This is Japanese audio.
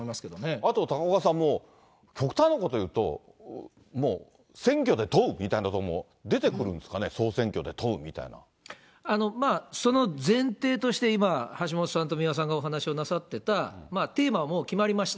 あと、高岡さん、もう極端なことを言うと、もう選挙で問うみたいなのも出てくるんですかね、総選挙で問うみまあ、その前提として今、橋下さんと三輪さんがお話しをなさってたテーマはもう決まりました。